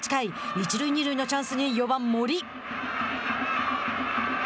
一塁二塁チャンスに４番森。